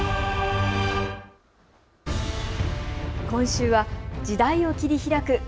今週は時代を切り開く！